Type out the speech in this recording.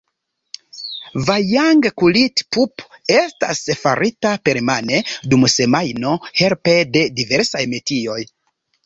Vajang-Kulit-pupo estas farita permane dum semajno helpe de diversaj metioj.